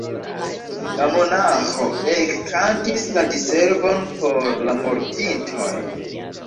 La monaĥo ekkantis la Diservon por la mortintoj.